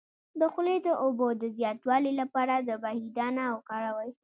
د خولې د اوبو د زیاتوالي لپاره د بهي دانه وکاروئ